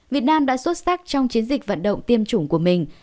việt nam đã xuất sắc trong chiến dịch vận động tiêm chủng của mình